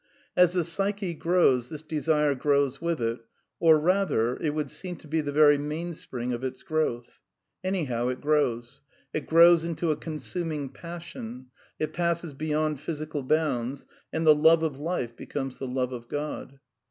As the psyche grows this desire grows with it; or rather it would seem to be the very mainspring of its growth; any how it grows ; it grows into a consuming passion ; it passes beyond physical bounds ; and the Love of Life becomes the Love of God.